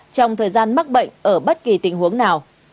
trong thời gian mắc bệnh ở bất kỳ tình huống nào